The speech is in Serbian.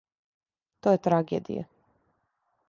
То је трагедија.